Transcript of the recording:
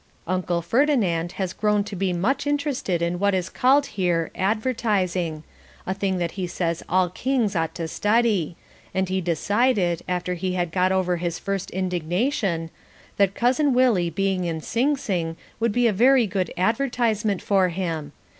Uncle Ferdinand has grown to be much interested in what is called here "advertising," a thing that he says all kings ought to study and he decided, after he had got over his first indignation, that Cousin Willie being in Sing Sing would be a very good advertisement for him.